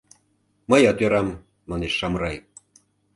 — Мыят ӧрам, — манеш Шамрай.